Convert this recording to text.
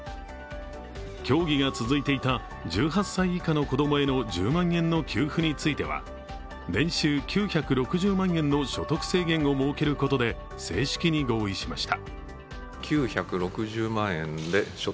協議が続いていた１８歳以下の子供への１０万円の給付については年収９６０万円の所得制限を設けることで正式に合意しました。